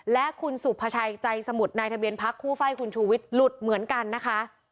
และคุณสุภาชัยใจสมุทรนายทะเบียนพักคู่ไฟ่คุณชูวิทย์หลุดเหมือนกันนะคะ